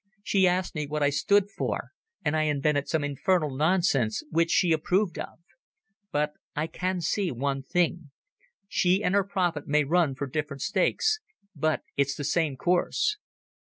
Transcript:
"She asked me what I stood for, and I invented some infernal nonsense which she approved of. But I can see one thing. She and her prophet may run for different stakes, but it's the same course."